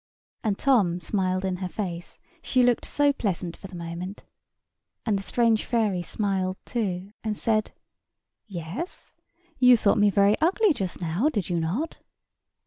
And Tom smiled in her face, she looked so pleasant for the moment. And the strange fairy smiled too, and said: "Yes. You thought me very ugly just now, did you not?"